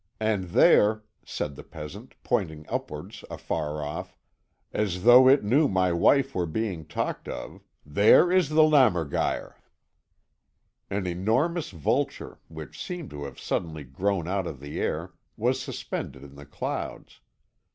And there," said the peasant, pointing upwards afar off, "as though it knew my wife were being talked of, there is the lämmergeier." An enormous vulture, which seemed to have suddenly grown out of the air, was suspended in the clouds.